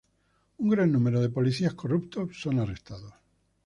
Un gran número de policías corruptos son arrestados.